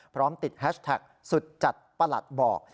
พร้อมติดแฮชแท็กสุดจัดประหลัดบอก